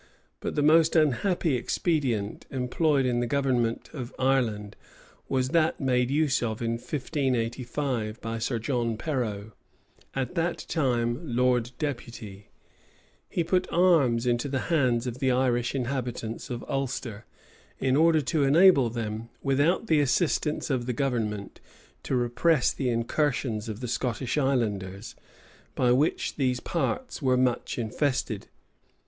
[] But the most unhappy expedient employed in the government of Ireland, was that made use of in 1585 by Sir John Perrot, at that time lord deputy; he put arms into the hands of the Irish inhabitants of Ulster, in order to enable them, without the assistance of the government, to repress the incursions of the Scottish islanders, by which these parts were much infested.